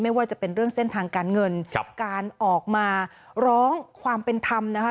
ว่าจะเป็นเรื่องเส้นทางการเงินครับการออกมาร้องความเป็นธรรมนะคะ